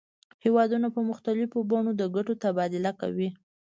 هیوادونه په مختلفو بڼو د ګټو تبادله کوي